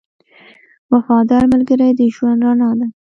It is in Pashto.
• وفادار ملګری د ژوند رڼا ده.